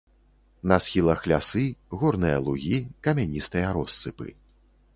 На схілах лясы, горныя лугі, камяністыя россыпы.